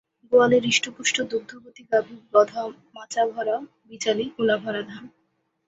গোয়ালে হৃষ্টপুষ্ট দুগ্ধবতী গাভী বঁধা, মাচা ভরা বিচালি, গোলা ভরা ধান।